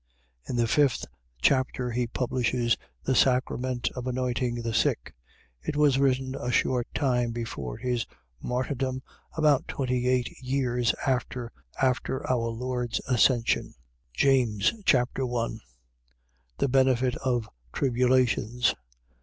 In the fifth chapter he publishes the sacrament of anointing the sick. It was written a short time before his martyrdom, about twenty eight years after our Lord's Ascension. James Chapter 1 The benefit of tribulations.